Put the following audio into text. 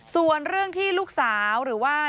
ส่วนเรื่องที่ลูกสาวหรือว่า